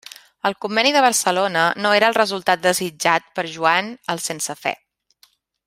El Conveni de Barcelona no era el resultat desitjat per Joan el Sense Fe.